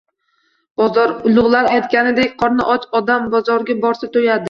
Bozor. Ulug‘lar aytganidek, qorni och odam bozorga borsa, to‘yadi.